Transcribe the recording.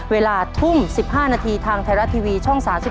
เวลาทุ่ม๑๕นาทีทางไทยรัฐทีวีช่อง๓๒